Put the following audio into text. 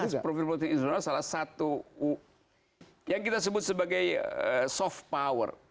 karena profil politik internasional salah satu yang kita sebut sebagai soft power